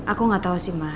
aku gak tahu sih ma